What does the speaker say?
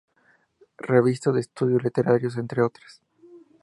Revista de estudios literarios, entre otras.